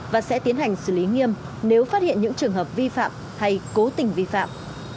và sẽ tiến hành xử lý nghiêm nếu phát hiện những trường hợp vi phạm hay cố tình vi phạm